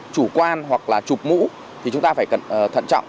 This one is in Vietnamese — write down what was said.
chủ quan hoặc là trục mũ thì chúng ta phải thận trọng